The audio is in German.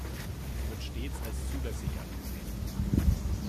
Sie wird stets als zulässig angesehen.